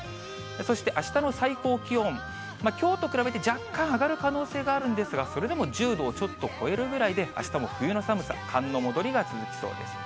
そして、あしたの最高気温、きょうと比べて若干上がる可能性があるんですが、それでも１０度をちょっと超えるぐらいで、あしたも冬の寒さ、寒の戻りが続きそうです。